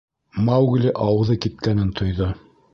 — Маугли ауыҙы кипкәнен тойҙо.